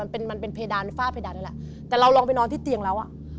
มันเป็นมันเป็นเพดานฝ้าเพดานนั่นแหละแต่เราลองไปนอนที่เตียงแล้วอ่ะ